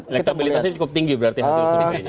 lektabilitasnya cukup tinggi berarti hasil sedikanya